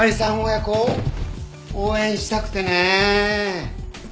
親子を応援したくてね。